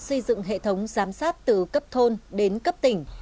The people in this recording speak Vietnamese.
xây dựng hệ thống giám sát từ cấp thôn đến cấp tỉnh